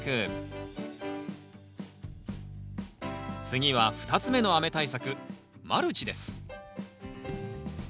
次は２つ目の雨対策マルチです。